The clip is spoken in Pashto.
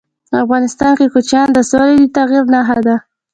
افغانستان کې کوچیان د چاپېریال د تغیر نښه ده.